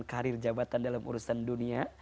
karir jabatan dalam urusan dunia